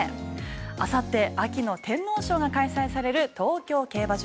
あさって、秋の天皇賞が開催される東京競馬場。